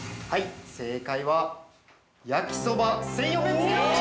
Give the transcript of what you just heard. ◆正解は、焼きそば専用ペプシです。